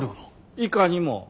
いかにも。